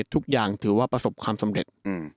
ทุกอย่างถือว่าประสบความสำเร็จ